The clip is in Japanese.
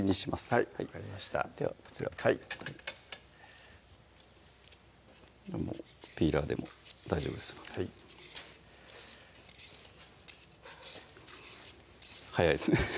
はい分かりましたではこちらはいピーラーでも大丈夫ですのではい早いですね